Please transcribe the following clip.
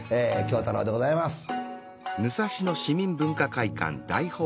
喬太郎でございます。